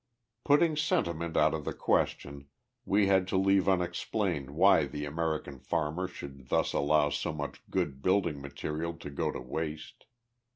Putting sentiment out of the question, we had to leave unexplained why the American farmer should thus allow so much good building material to go to waste.